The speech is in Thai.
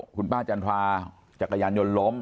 คุณป้าจันทราจักรยานยนต์ล้ม